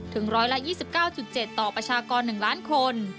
ถึง๑๒๙๗ต่อประชากร๑ล้านคน